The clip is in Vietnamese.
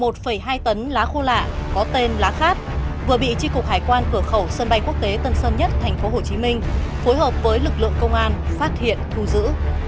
một hai tấn lá khô lạ có tên lá khát vừa bị tri cục hải quan cửa khẩu sân bay quốc tế tân sơn nhất tp hcm phối hợp với lực lượng công an phát hiện thu giữ